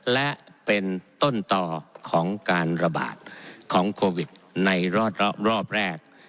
และเป็นต้นต่อของการระบาดของโควิดในรอบแรก